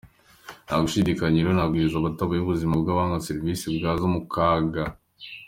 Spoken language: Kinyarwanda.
Nta gushidikanya rero ko ayo mabwiriza atabayeho ubuzima bw’abahabwa serivisi bwajya mu kaga.